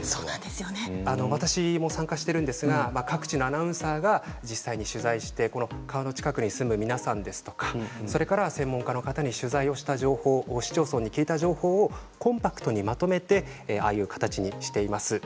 私も参加しているんですけれども各地のアナウンサーが実際に取材して川の近くに住む皆さんや専門家に取材した情報市町村に聞いた情報をコンパクトにまとめてああいう形にしています。